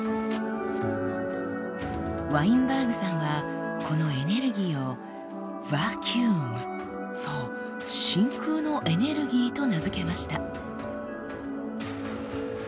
ワインバーグさんはこのエネルギーを「ｖａｃｕｕｍ」そう「真空のエネルギー」と名付けました。